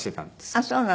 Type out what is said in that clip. あっそうなの。